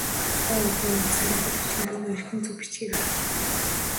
Тухайн үгийн үндсийг монгол бичгийн дүрмээр хэрхэн зөв бичихийг харуулна.